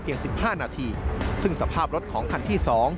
๑๕นาทีซึ่งสภาพรถของคันที่๒